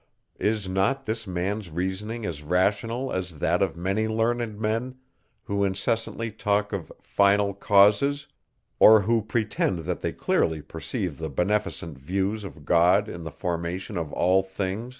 Is not this man's reasoning as rational, as that of many learned men, who incessantly talk of final causes, or who pretend that they clearly perceive the beneficent views of God in the formation of all things?